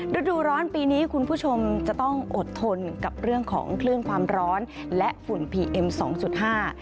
ฤดูร้อนปีนี้คุณผู้ชมจะต้องอดทนกับเรื่องของคลื่นความร้อนและฝุ่นพีเอ็มสองจุดห้า